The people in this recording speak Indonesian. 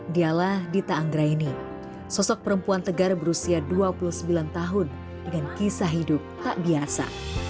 dialah dita anggraini sosok perempuan tegar berusia dua puluh sembilan tahun dengan kisah hidup tak biasa